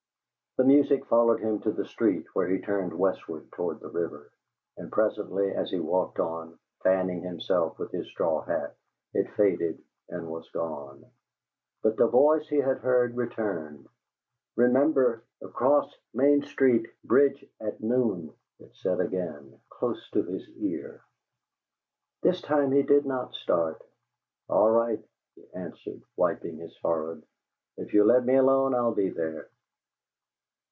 The music followed him to the street, where he turned westward toward the river, and presently, as he walked on, fanning himself with his straw hat, it faded and was gone. But the voice he had heard returned. "REMEMBER! ACROSS MAIN STREET BRIDGE AT NOON!" it said again, close to his ear. This time he did not start. "All right," he answered, wiping his forehead; "if you'll let me alone, I'll be there."